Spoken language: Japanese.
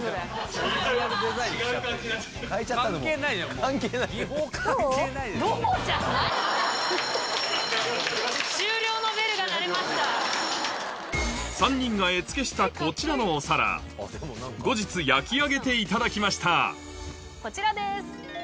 ・違う感じになって来た・３人が絵付けしたこちらのお皿後日焼き上げていただきましたこちらです。